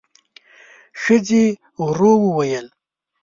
ښځې ورو وویل: